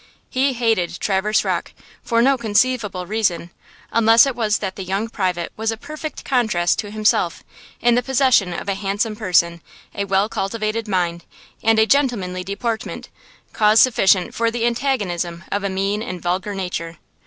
He hated Traverse Rocke, for no conceivable reason, unless it was that the young private was a perfect contrast to himself, in the possession of a handsome person, a well cultivated mind, and a gentlemanly deportment–cause sufficient for the antagonism of a mean and vulgar nature.